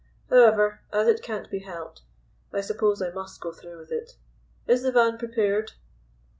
However, as it can't be helped, I suppose I must go through with it. Is the van prepared?"